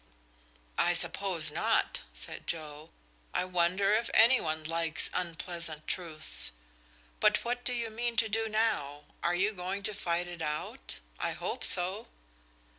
"I suppose not," said Joe. "I wonder if any one likes unpleasant truths. But what do you mean to do now? Are you going to fight it out? I hope so!"